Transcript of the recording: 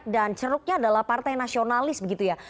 dan ceruknya adalah partai nasionalis begitu ya